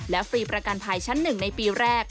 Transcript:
และฟรีประกันภัยชั้น๑ในปีแรก